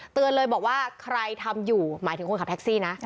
เตือนเลยบอกว่าใครทำอยู่หมายถึงคนขับแท็กซี่นะ